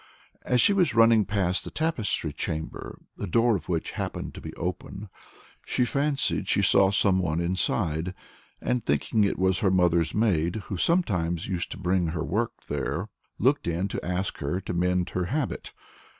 As she was running past the Tapestry Chamber, the door of which happened to be open, she fancied she saw someone inside, and thinking it was her mother's maid, who sometimes used to bring her work there, looked in to ask her to mend her habit.